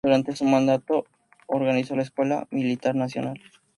Durante su mandato organizó la Escuela Militar Nacional.